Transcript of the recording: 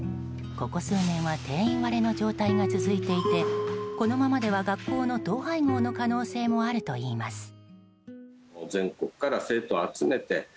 ここ数年は定員割れの状態が続いていてこのままでは学校の統廃合の可能性もあるといいます。